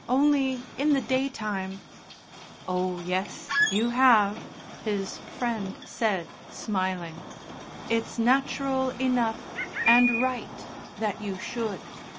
Only in the day time " "Oh, yes, you have," his Friend said, smiling. "It's natural enough and right that you should.